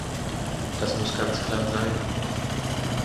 Das muss ganz klar sein!